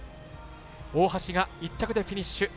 大橋が１着でフィニッシュ。